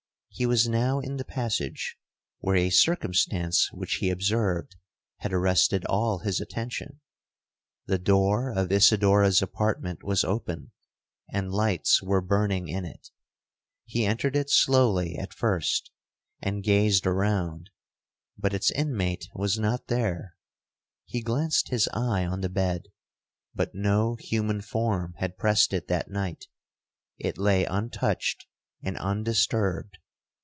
He was now in the passage, where a circumstance which he observed had arrested all his attention,—the door of Isidora's apartment was open, and lights were burning in it. He entered it slowly at first, and gazed around, but its inmate was not there. He glanced his eye on the bed, but no human form had pressed it that night—it lay untouched and undisturbed.